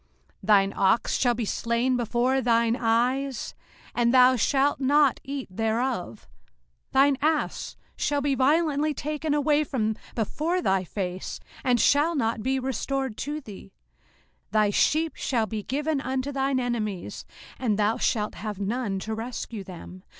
05:028:031 Thine ox shall be slain before thine eyes, and thou shalt not eat thereof: thine ass shall be violently taken away from before thy face, and shall not be restored to thee: thy sheep shall be given unto thine enemies, and thou shalt have none to rescue them.